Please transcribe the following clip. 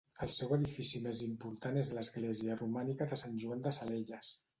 El seu edifici més important és l'església romànica de Sant Joan de Salelles.